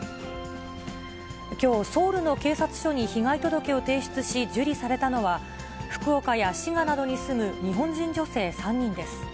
きょう、ソウルの警察署に被害届を提出し、受理されたのは、福岡や滋賀などに住む日本人女性３人です。